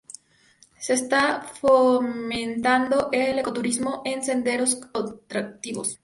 Se está fomentando el ecoturismo con senderos y otros atractivos.